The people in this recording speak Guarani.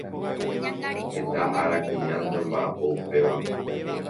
Heta ára kuñánte omba’apo upévape.